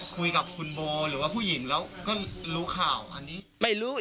คุยกับคุณโบหรือว่าผู้หญิงแล้วก็รู้ข่าวอันนี้ไม่รู้